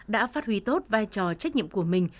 đã phát huy tốt vai trò trách nhiệm của mình